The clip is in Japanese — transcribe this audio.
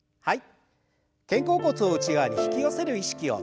はい。